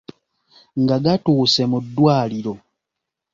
Nga gatuuse mu ddwaliro,